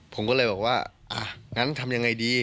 ผมก็เลยบอกว่างั้นทำอย่างไรดี